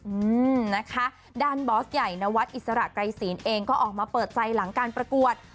อืมนะคะด้านบอสใหญ่นวัดอิสระไกรศีลเองก็ออกมาเปิดใจหลังการประกวด